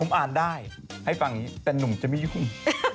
ผมอ่านได้ให้ฟังอย่างนี้แต่หนุ่มจะไม่ยุ่ง